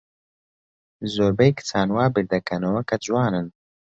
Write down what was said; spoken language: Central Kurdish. زۆربەی کچان وا بیردەکەنەوە کە جوانن.